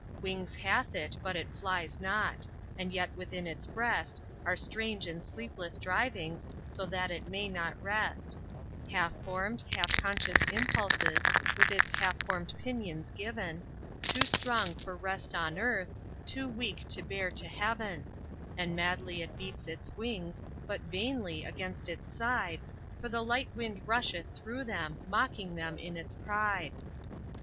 Wings hath it, but it flies not. And yet within its breast Are strange and sleepless drivings, so that it may not rest; Half formed, half conscious impulses, with its half formed pinions given, Too strong for rest on earth, too weak to bear to heaven; And madly it beats its wings, but vainly, against its side, For the light wind rusheth through them, mocking them in its pride.